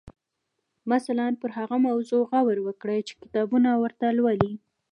مثلاً پر هغه موضوع غور وکړئ چې کتاب ورته لولئ.